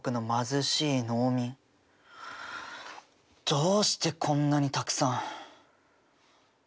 どうしてこんなにたくさん。